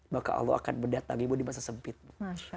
maka allah akan mendatangimu di masa sempitmu